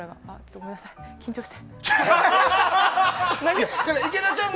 ごめんなさい緊張して、何も。